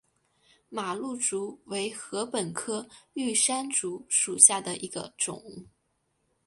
马鹿竹为禾本科玉山竹属下的一个种。